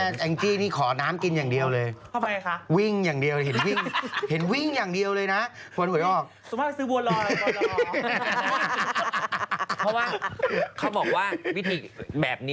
แม่ต้องไปย้ายวัดแล้วแม่